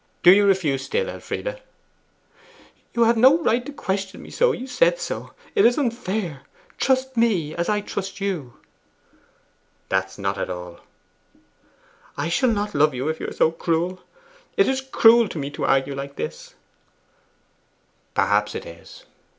Do you refuse still, Elfride?' 'You have no right to question me so you said so. It is unfair. Trust me as I trust you.' 'That's not at all.' 'I shall not love you if you are so cruel. It is cruel to me to argue like this.' 'Perhaps it is.